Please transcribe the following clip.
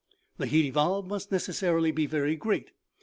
" The heat evolved must necessarily be very great.